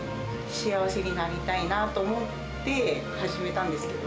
幸せになりたいなと思って始めたんですけど。